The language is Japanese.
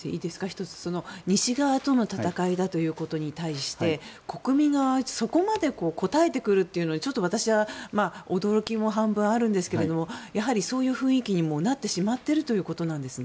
西側との戦いだということに対して国民がそこまで応えてくるというのにちょっと私は驚きも半分あるんですけれどもそういう雰囲気になってしまっているんですね。